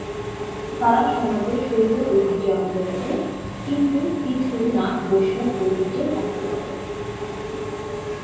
তারা সাধারণত শৈব ঐতিহ্যের অন্তর্গত, কিন্তু কিছু নাথ বৈষ্ণব ঐতিহ্যের অন্তর্গত।